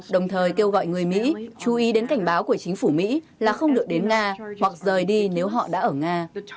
đồng thời kêu gọi người mỹ chú ý đến cảnh báo của chính phủ mỹ là không được đến nga hoặc rời đi nếu họ đã ở nga